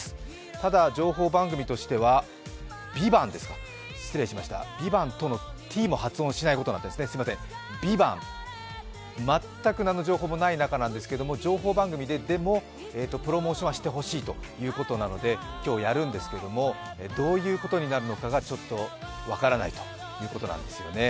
ただ情報番組としては、「ＶＩＶＡＮＴ」、Ｔを発音しないんですね、全く何の情報もない中なんですけど、情報番組でもプロモーションはしてほしいということなので今日やるんですけれども、どういうことになるのかが、ちょっと分からないということなんですよね。